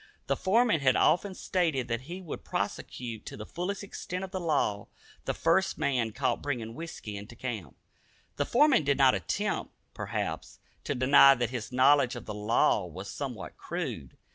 The foreman had often stated that he would prosecute to the fullest extent of the law the first man caught bringing whisky into camp. The foreman did not attempt, perhaps, to deny that his knowledge of the law was somewhat crude.